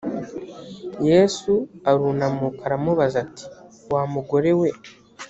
yesu arunamuka aramubaza ati wa mugore we